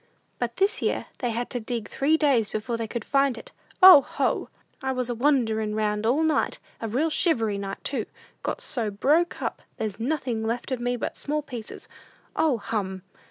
But this year they had to dig three days before they could find it. O, ho! "I was a wanderin' round all last night; a real shivery night, too! Got so broke up, there's nothing left of me but small pieces. O, hum!